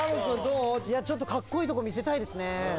いや、ちょっとかっこいいところ見せたいですね。